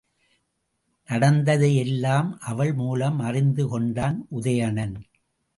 நடந்ததை எல்லாம் அவள் மூலம் அறிந்து கொண்டான் உதயணன்.